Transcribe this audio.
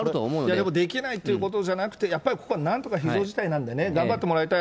でもできないということじゃなくて、やっぱりここはなんとか非常事態なんでね、頑張ってもらいたい。